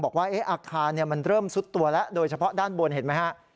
บอกว่าอาคารมันเริ่มซุดตัวแล้วโดยเฉพาะด้านบนเห็นไหมฮะ